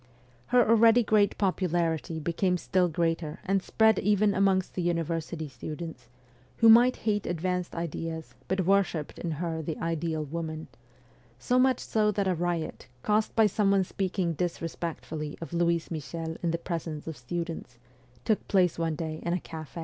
Her already great popularity became still greater and spread even amongst the university students, who might hate advanced ideas but worshipped in her the ideal woman ; so much so that a riot, caused by some one speaking disrespectfully of Louise Michel in the presence of students, took place one day in a caf.